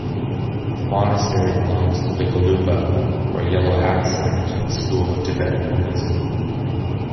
The monastery belongs to the Gelupa, or Yellow Hat Sect, school of Tibetan Buddhism.